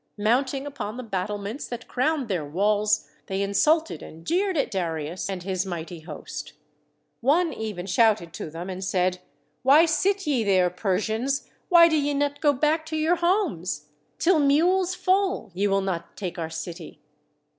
Mounting upon the battlements that crowned their walls, they insulted and jeered at Darius and his mighty host. One even shouted to them and said, ''Why sit ye there, Persians? Why do ye not go back to your homes? Till mules foal ye will not take our city!'